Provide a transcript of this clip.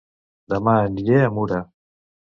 Dema aniré a Mura